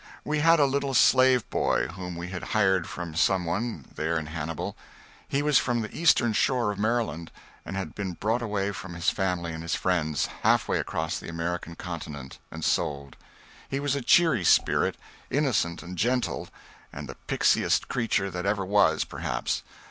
We had a little slave boy whom we had hired from some one, there in Hannibal. He was from the Eastern Shore of Maryland, and had been brought away from his family and his friends, half way across the American continent, and sold. He was a cheery spirit, innocent and gentle, and the noisiest creature that ever was, perhaps.